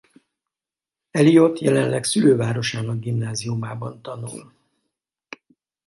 Eliot jelenleg szülővárosának gimnáziumában tanul.